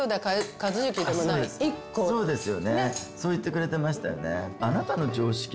そうですよねそう言ってくれてましたよね。